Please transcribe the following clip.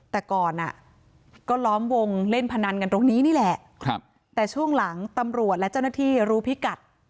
แต่ก่อนอ่ะก็ล้อมวงเล่นพนันกันตรงนี้นี่แหละแต่ช่วงหลังตำรวจและเจ้าหน้าที่รู้พิกัด